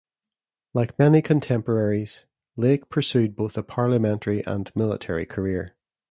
Like many contemporaries, Lake pursued both a parliamentary and military career.